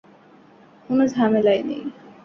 কোন ঝামেলায় নেই।